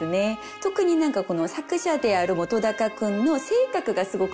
特に何か作者である本君の性格がすごく出てきていて。